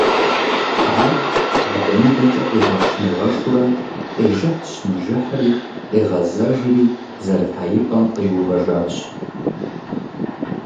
Ар адэкӀэ-мыдэкӀэ къигъэш-нигъэшурэ, къижыхьщ-нижыхьри къигъэзэжри зэрыта и пӀэм къиувэжащ.